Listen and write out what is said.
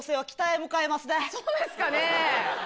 そうですかね？